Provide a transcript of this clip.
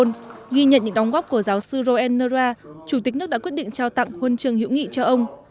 trong thời gian ghi nhận những đóng góp của giáo sư roen nora chủ tịch nước đã quyết định trao tặng huân trường hữu nghị cho ông